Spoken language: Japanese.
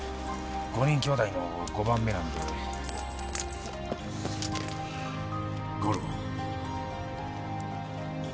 ５人きょうだいの５番目なんで五郎。